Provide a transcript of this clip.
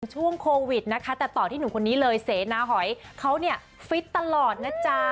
ช่วงโควิดนะคะแต่ต่อที่หนุ่มคนนี้เลยเสนาหอยเขาเนี่ยฟิตตลอดนะจ๊ะ